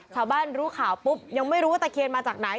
รู้ข่าวปุ๊บยังไม่รู้ว่าตะเคียนมาจากไหน